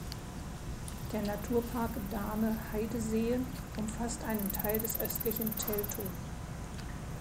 Der Naturpark Dahme-Heideseen umfasst einen Teil des östlichen Teltow.